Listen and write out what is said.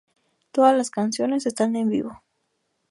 Todas las canciones están en vivo.